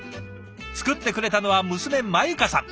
作ってくれたのは娘まゆかさん。